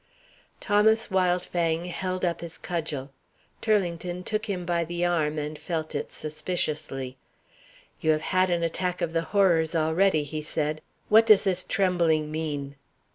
Thomas Wildfang held up his cudgel. Turlington took him by the arm, and felt it suspiciously. "You have had an attack of the horrors already," he said. "What does this trembling mean?"